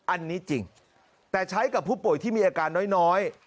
อันนี้จริงแต่ใช้กับผู้ป่วยที่มีอาการน้อย